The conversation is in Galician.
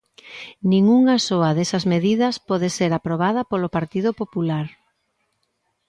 Nin unha soa desas medidas pode ser aprobada polo Partido Popular.